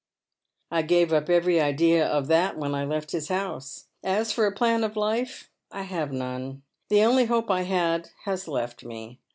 " I gave up every idea of that when I left his house. As fot a plan of life, I have none. The only hope I had has left me.